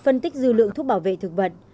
phân tích dư lượng thuốc bảo vệ thực vật